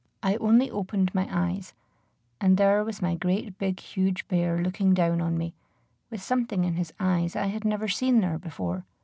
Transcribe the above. I only opened my eyes; and there was my great big huge bear looking down on me, with something in his eyes I had never seen there before.